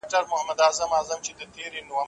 کله چي هغه وزګار و ورځ په ورځ شاته پاته کېده.